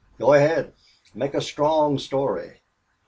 "Go ahead. Make a strong story.